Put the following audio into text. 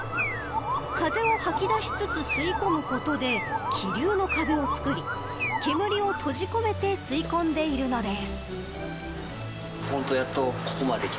風を吐き出しつつ吸い込むことで気流の壁を作り煙を閉じ込めて吸い込んでいるのです。